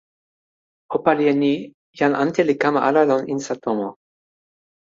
o pali e ni: jan ante li kama ala lon insa tomo.